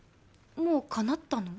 もうかなったの？